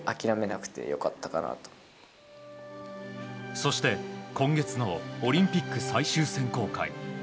そして今月のオリンピック最終選考会。